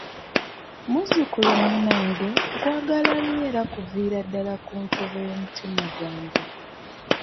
Muzzukulu, munnange nkwagala nnyo era kuviira ddala ku ntobo y'omutima gwange.